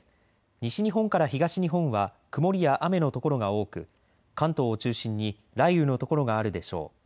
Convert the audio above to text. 西日本から東日本は曇りや雨の所が多く関東を中心に雷雨の所があるでしょう。